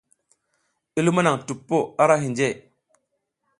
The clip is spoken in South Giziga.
I luma naƞ tuppo ara hinje.